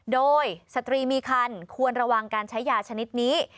โดยสตรีมีคันควรระวังการใช้ยาชนิดนี้